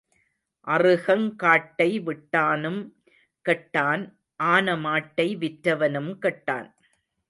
அறுகங் காட்டை விட்டானும் கெட்டான் ஆன மாட்டை விற்றவனும் கெட்டான்.